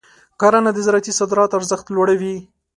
کرنه د زراعتي صادراتو ارزښت لوړوي.